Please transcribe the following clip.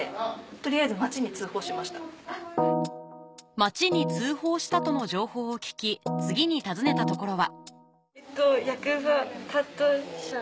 町に通報したとの情報を聞き次に訪ねた所は役場担当者。